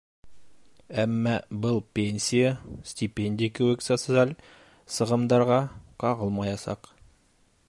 Әммә был пенсия, стипендия кеүек социаль сығымдарға ҡағылмаясаҡ.